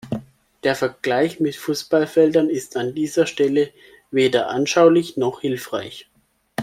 Der Vergleich mit Fußballfeldern ist an dieser Stelle weder anschaulich noch hilfreich.